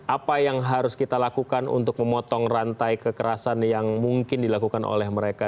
apa yang harus kita lakukan untuk memotong rantai kekerasan yang mungkin dilakukan oleh mereka